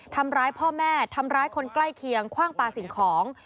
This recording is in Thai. ทำร้ายพ่อแม่ทำร้ายคนใกล้เคียงคว่างปลาสิ่งของ